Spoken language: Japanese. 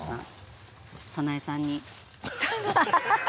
早苗さん。